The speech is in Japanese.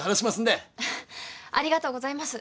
ありがとうございます。